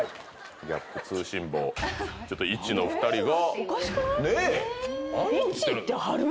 ギャップ通信簿１の２人が。